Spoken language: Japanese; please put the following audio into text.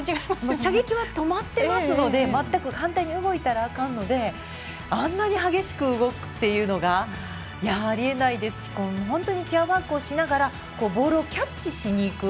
射撃は止まってますので動いたらあかんのであんなに激しく動くっていうのがありえないですし本当にチェアワークをしながらボールをキャッチしにいく。